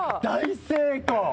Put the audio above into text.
大成功！